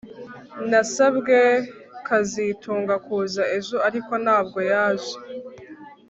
Nasabye kazitunga kuza ejo ariko ntabwo yaje